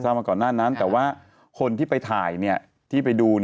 สร้างมาก่อนนานแต่ว่าคนที่ไปถ่ายที่ไปดู